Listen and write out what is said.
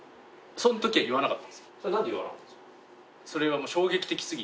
その時は言わなかったんです。